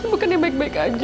bukannya baik baik aja ya